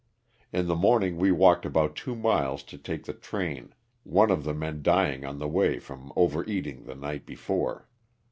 In the morning we walked about two miles to take the train, one of the men dying on the way from overeating the night before.